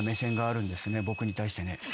僕に対してね。